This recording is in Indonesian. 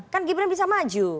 kan ghibren bisa maju